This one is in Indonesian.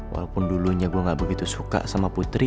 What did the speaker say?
walaupun dulunya gue gak begitu suka sama putri